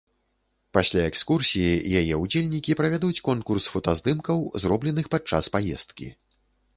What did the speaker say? Пасля экскурсіі яе ўдзельнікі правядуць конкурс фотаздымкаў, зробленых падчас паездкі.